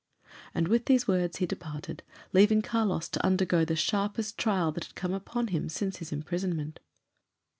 And with these words he departed, leaving Carlos to undergo the sharpest trial that had come upon him since his imprisonment.